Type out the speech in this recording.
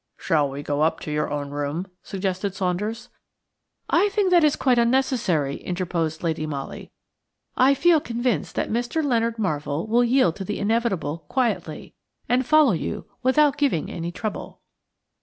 "Shall we go up to your own room?" suggested Saunders. "I think that is quite unnecessary," interposed Lady Molly. "I feel convinced that Mr. Leonard Marvell will yield to the inevitable quietly, and follow you without giving any trouble."